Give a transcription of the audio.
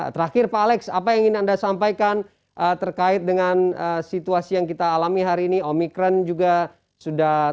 terakhir pak alex apa yang ingin anda sampaikan terkait dengan situasi yang kita alami hari ini omikron juga sudah terjadi